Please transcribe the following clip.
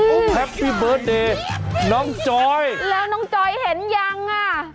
แฮปปี้เบิร์ตเดย์น้องจอยแล้วน้องจอยเห็นยังอ่ะ